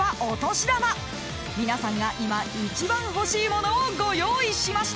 ［皆さんが今一番欲しいものをご用意しました］